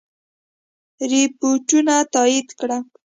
رپوټونو تایید کړه.